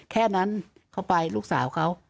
แค่นั้นเขาไปลูกสาวเขา